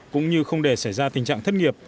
cũng như không để xảy ra tình trạng thất nghiệp